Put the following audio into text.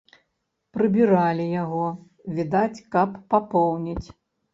Прыбіралі яго, відаць, каб папоўніць.